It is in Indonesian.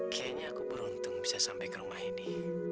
kayaknya aku beruntung bisa sampai ke rumah ini